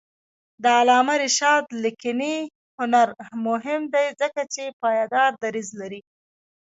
د علامه رشاد لیکنی هنر مهم دی ځکه چې پایدار دریځ لري.